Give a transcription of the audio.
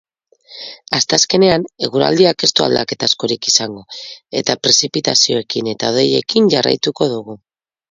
Asteazkenean eguraldiak ez du aldaketa askorik izango eta prezipitazioekin eta hodeiekin jarraituko dutu.